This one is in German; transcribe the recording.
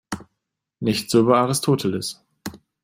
Nicht so bei Aristoteles.